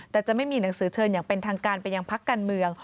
แต่จะไม่มีหนังสือเชิญอย่างเป็นทางการไปยังพักการเมือง